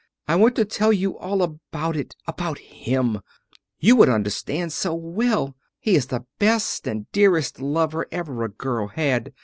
I want to tell you all about it about him. You would understand so well. He is the best and dearest lover ever a girl had.